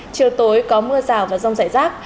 chiều tối có mưa rào và rông rải rác